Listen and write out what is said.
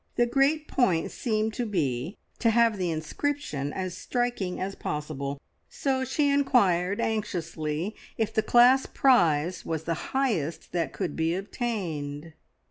The great point seemed to be to have the inscription as striking as possible, so she inquired anxiously if the class prize was the highest that could be obtained.